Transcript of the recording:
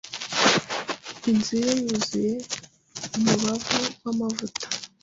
inzu ye yuzuye umubavu w'amavuta